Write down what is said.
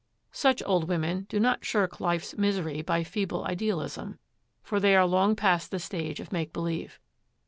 Such old women do not shirk life's misery by feeble idealism, for they are long past the stage of make believe.